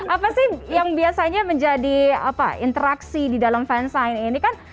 apa sih yang biasanya menjadi interaksi di dalam fansign ini kan